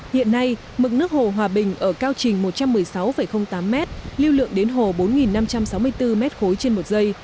hiện nay mực nước hồ hòa bình ở cao trình một trăm một mươi sáu tám m lưu lượng đến hồ bốn năm trăm sáu mươi bốn m ba trên một giây